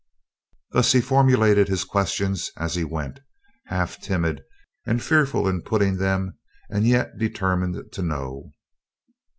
Thus he formulated his questions as he went, half timid, and fearful in putting them and yet determined to know.